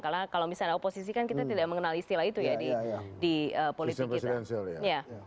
karena kalau misalnya oposisi kan kita tidak mengenali istilah itu ya di politik kita